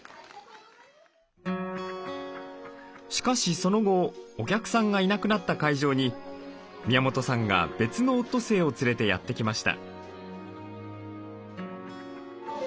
しかしその後お客さんがいなくなった会場に宮本さんが別のオットセイを連れてやって来ました。